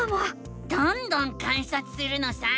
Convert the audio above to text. どんどん観察するのさ！